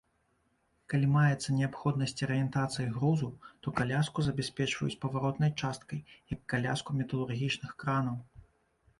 Калі маецца неабходнасць арыентацыі грузу, то каляску забяспечваюць паваротнай часткай, як каляску металургічных кранаў.